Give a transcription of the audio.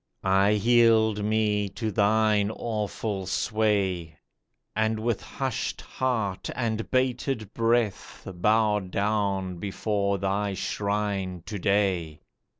I yield me to thine awful sway, And with hushed heart and bated breath Bow down before thy shrine to day